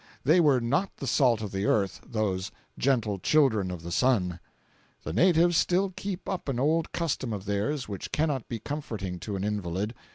They were not the salt of the earth, those "gentle children of the sun." The natives still keep up an old custom of theirs which cannot be comforting to an invalid.